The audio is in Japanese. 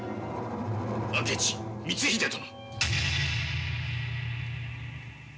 明智光秀殿。